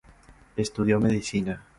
Estudió Medicina.